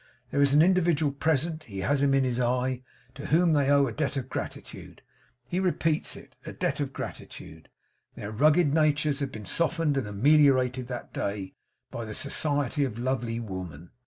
There is an individual present; he has him in his eye; to whom they owe a debt of gratitude. He repeats it a debt of gratitude. Their rugged natures have been softened and ameliorated that day, by the society of lovely woman.